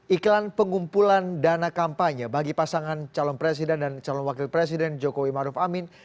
iklan pengumpulan dana kampanye bagi pasangan calon presiden dan calon wakil presiden jokowi maruf amin